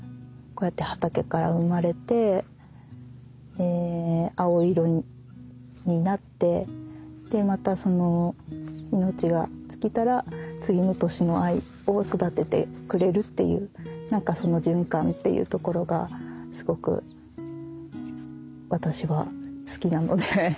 こうやって畑から生まれて青色になってでまたその命が尽きたら次の年の藍を育ててくれるっていう何かその循環っていうところがすごく私は好きなので。